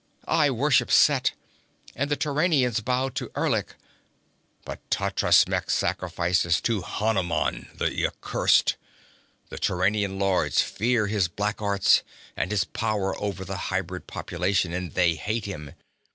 I worship Set, and the Turanians bow to Erlik, but Totrasmek sacrifices to Hanuman the accursed! The Turanian lords fear his black arts and his power over the hybrid population, and they hate him.